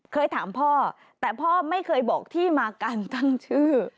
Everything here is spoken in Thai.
เคยถามพ่อแต่พ่อไม่เคยบอกที่มาการตั้งชื่อ